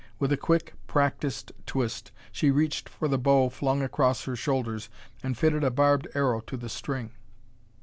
With a quick, practiced twist, she reached for the bow flung across her shoulders and fitted a barbed arrow to the string.